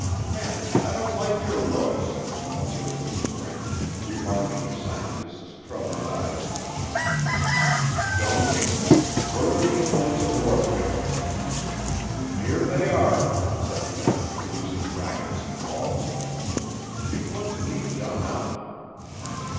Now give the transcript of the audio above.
"Kent, I don't like your looks," observed his friend, remarking the scientist's troubled eyes. "Don't you? Where are the implements of warfare?" "Here they are," said the other, producing rackets and balls. "You look to me done up."